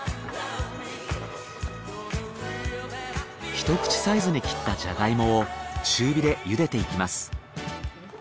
ひと口サイズに切ったジャガイモを中火でゆでていきます。